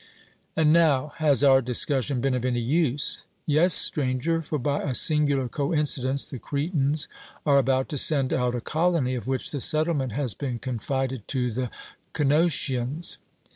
And now, has our discussion been of any use? 'Yes, stranger; for by a singular coincidence the Cretans are about to send out a colony, of which the settlement has been confided to the Cnosians.